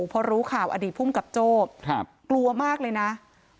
พอรู้ข่าวอดีตพลงกับจบกลัวมากเลยนะนะครับ